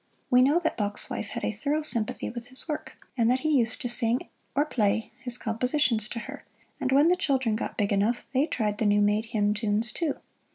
We know that Bach's wife had a thorough sympathy with his work, and that he used to sing or play his compositions to her, and when the children got big enough, they tried the new made hymn tunes, too.